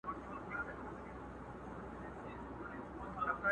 زه چي قدم پر قدم ږدم تا یادومه!!